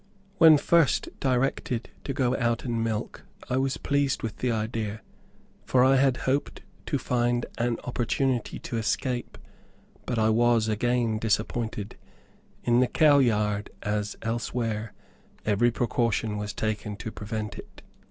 When first directed to go out and milk, I was pleased with the idea, for I hoped to find and opportunity to escape; but I was again disappointed. In the cow yard, as elsewhere, every precaution was taken to prevent it.